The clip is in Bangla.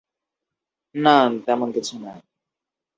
না, তেমন কিছু না।